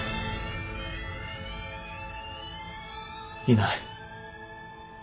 いない。